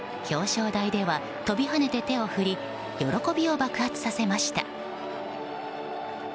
表彰台では飛び跳ねて手を振り喜びを爆発させました。